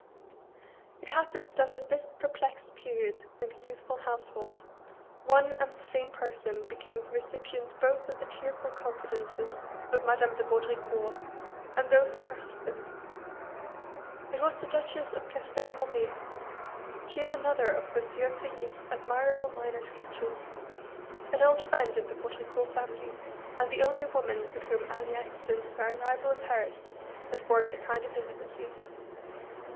It happened that at this perplexed period in the youthful household, one and the same person became the recipient both of the tearful confidences of Madame de Vaudricourt and those of her husband. It was the Duchess of Castel Moret [she is another of M. Feuillet's admirable minor sketches] an old friend of the Vaudricourt family, and the only woman with whom Aliette since her arrival in Paris had formed a kind of intimacy.